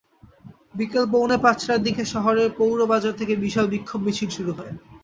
বিকেল পৌনে পাঁচটার দিকে শহরের পৌর বাজার থেকে বিশাল বিক্ষোভ মিছিল শুরু হয়।